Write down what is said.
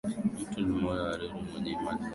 Mtu ni moyo hariri, mwenye imani na watu